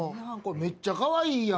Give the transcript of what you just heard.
めっちゃかわいいやん。